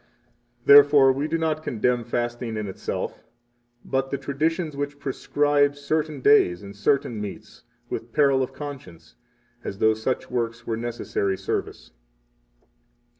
Therefore, we do not condemn fasting in itself, but the traditions which prescribe certain days and certain meats, with peril of conscience, as though such works were a necessary service.